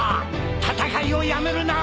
戦いをやめるな！